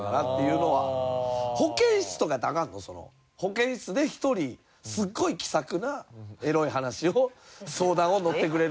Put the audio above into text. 保健室で１人すごい気さくなエロい話を相談をのってくれる。